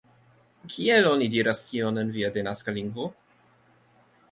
Kiel oni diras tion en via denaska lingvo?